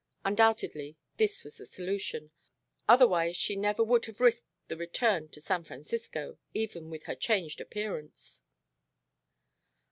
Undoubtedly this was the solution. Otherwise she never would have risked the return to San Francisco, even with her changed appearance.